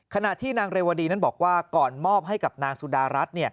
ขณะที่นางเรวดีนั้นบอกว่าก่อนมอบให้กับนางสุดารัฐ